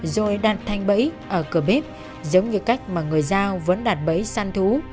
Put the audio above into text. rồi đặt thanh bẫy ở cửa bếp giống như cách mà người giao vẫn đặt bẫy săn thú